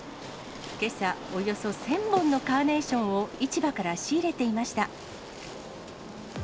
けさ、およそ１０００本のカーネーションを市場から仕入れていました。